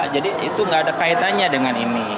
jadi itu tidak ada kaitannya dengan ini